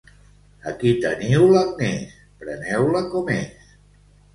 Aquí teniu l'Agnès, preneu-la com és.